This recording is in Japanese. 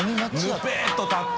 ぬぺっと立って。